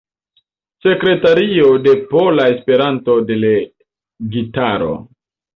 Sekretario de Pola Esperanto-Delegitaro.